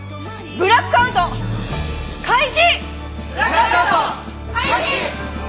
ブラックアウト開始！